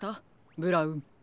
ブラウン。